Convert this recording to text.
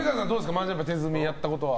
マージャン牌手積みやったことは？